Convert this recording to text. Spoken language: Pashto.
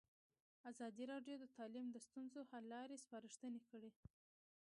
ازادي راډیو د تعلیم د ستونزو حل لارې سپارښتنې کړي.